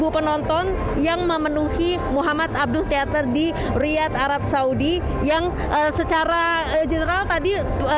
tujuh penonton yang memenuhi muhammad abdul teater di riyad arab saudi yang secara general tadi